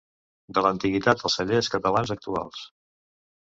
De l’antiguitat als cellers catalans actuals.